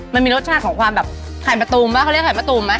มันมีรสชาติของความแบบไข่มะตูมป่ะเขาเรียกไข่มะตูมไหม